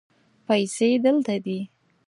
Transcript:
پیسې دلته دي